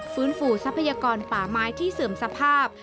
ฟื้นฟูทรัพยากรป่าไม้ที่เสื่อมสภาพ